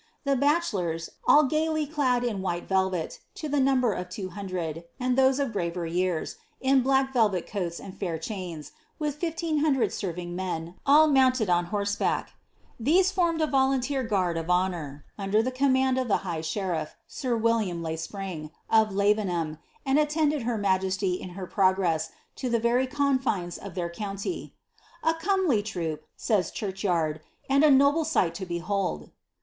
The bachelors, all gaily clad in white velvet, to the number of two hun dred, and those of graver years, in black velvet coats and fair chains, with fifteen hundred serving men, all mounted on horseback — these fbnned a volunteer guard of honour, under the command of the high iberifl^ sir William le Spring, of Lavenham, and attended her majesty in her progress to the very confines of their county, —*' a comely troop," says Churchyard, ^' and a noble sight to behold.''